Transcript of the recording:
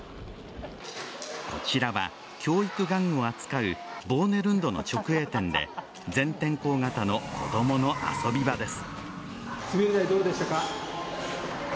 こちらは、教育玩具を扱うボーネルンドの直営店で全天候型の子供の遊び場です。